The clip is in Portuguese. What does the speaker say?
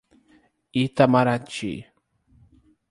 Itamarati